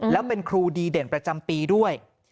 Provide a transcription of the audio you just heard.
แล้วเป็นครูดีเด่นประจำปีด้วย